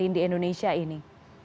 di indonesia ini